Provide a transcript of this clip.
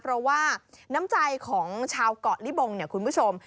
เพราะว่าน้ำใจของชาวก่อนลิบองคุณผู้ชม